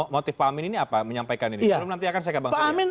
motif pak amin ini apa menyampaikan ini